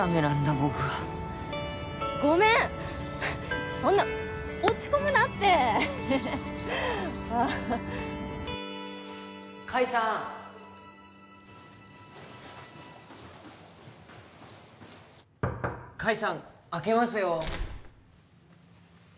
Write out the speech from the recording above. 僕はごめんそんな落ち込むなって海さん海さん開けますよ